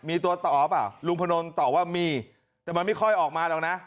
มีตัวต่อเปล่าลุงพนนตอบว่ามีแต่มันไม่ค่อยออกมาหรอกนะ